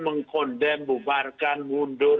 mengkondem bubarkan mundur